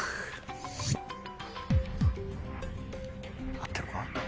合ってるか？